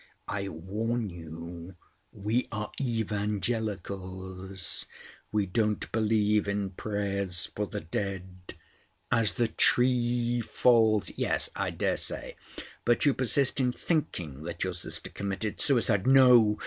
I warn you we are Evangelicals. We don't believe in prayers for the dead. 'As the tree falls—'" "Yes. I daresay. But you persist in thinking that your sister committed suicide—" "No!